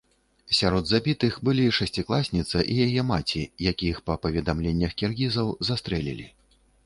Сярод забітых былі шасцікласніца і яе маці, якіх, па паведамленнях кіргізаў, застрэлілі.